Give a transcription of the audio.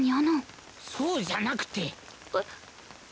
そうじゃなくて。えっ？